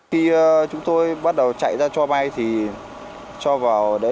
khi chúng tôi bắt đầu chạy ra cho bay thì cho vào